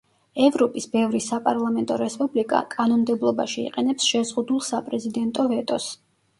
ევროპის ბევრი საპარლამენტო რესპუბლიკა კანონმდებლობაში იყენებს შეზღუდულ საპრეზიდენტო ვეტოს.